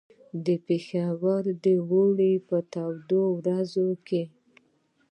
د پېښور د اوړي په تودو ورځو کې.